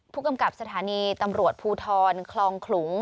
ผู้กำกับสถานีตำรวจภูทรคลองขลุง